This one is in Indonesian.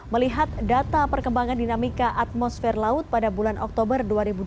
melihat data perkembangan dinamika atmosfer laut pada bulan oktober dua ribu dua puluh